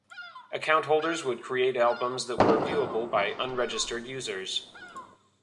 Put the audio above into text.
Account holders could create albums that were viewable by unregistered users.